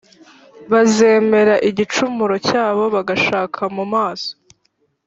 bazemera igicumuro cyabo bagashaka mu maso